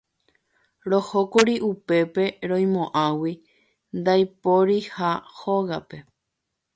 Rohókuri upépe roimo'ãgui ndaiporiha hógape.